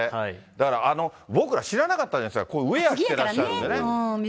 だから僕ら知らなかったじゃないですか、ウエア着てらっしゃるんでね。